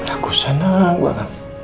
aku senang pak